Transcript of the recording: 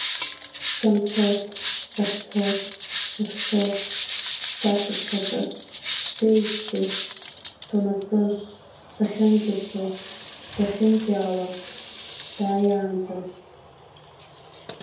Санцоз, сахьцоз, сышцоз, сцацыԥхьаӡа, сцеижьҭеи, сцонаҵы, сахьынӡацо, дахьынтәааиуа, дааиаанӡа…